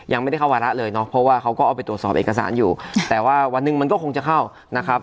ยังไม่ได้เข้าวาระเลยเนาะเพราะว่าเขาก็เอาไปตรวจสอบเอกสารอยู่แต่ว่าวันหนึ่งมันก็คงจะเข้านะครับ